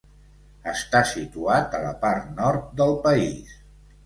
Està situat a la part nord del país.